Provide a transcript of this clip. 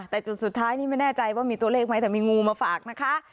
แต่จุดสุดท้ายนี่ไม่แน่ใจว่ามีตัวเลขไหมแต่มีงูมาฝากนะคะ